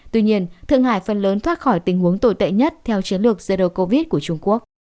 tuy nhiên thượng hải phần lớn thoát khỏi tình huống tồi tệ nhất theo chiến lược zero covid của trung quốc